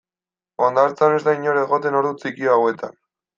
Hondartzan ez da inor egoten ordu txiki hauetan.